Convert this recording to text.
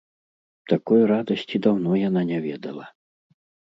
Такой радасці даўно яна не ведала.